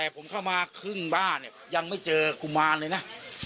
ผมเข้ามาครึ่งบ้านเนี่ยยังไม่เจอกุมารเลยนะ